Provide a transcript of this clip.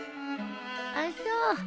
あっそう。